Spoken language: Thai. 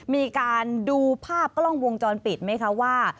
มีการดูภาพกล้องวงจรปิดไหมคะว่า